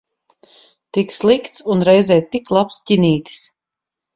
Tik slikts un reizē tik labs ķinītis.